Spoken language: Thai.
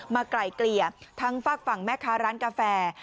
ไกลเกลี่ยทั้งฝากฝั่งแม่ค้าร้านกาแฟ